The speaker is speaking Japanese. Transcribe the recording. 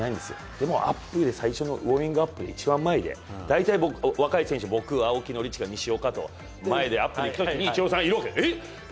でもアップで最初のウォーミングアップ、一番前で大体僕、若い選手、青木、宣親、西岡と前でアップのときに、イチローさんがいるわけ。